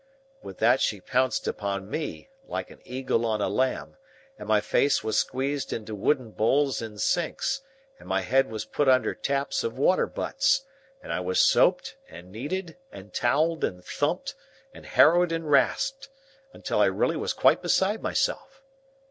With that, she pounced upon me, like an eagle on a lamb, and my face was squeezed into wooden bowls in sinks, and my head was put under taps of water butts, and I was soaped, and kneaded, and towelled, and thumped, and harrowed, and rasped, until I really was quite beside myself.